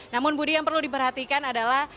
namun budi yang perlu diperhatikan adalah